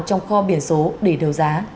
trong kho biển số để đấu giá